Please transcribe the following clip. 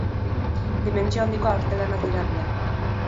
Dimentsio handiko artelanak dira biak.